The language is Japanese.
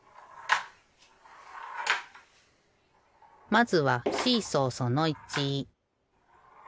まずはシーソーその１。